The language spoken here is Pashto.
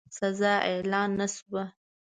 سزا اعلان نه شوه.